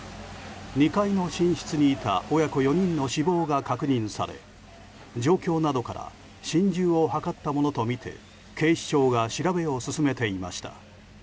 ２階の寝室にいた親子４人の死亡が確認され状況などから心中を図ったものとみて警視庁が調べを進めていました。